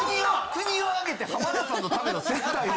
国を挙げて浜田さんのための接待を。